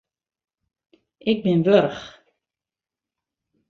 Ik bin wurch.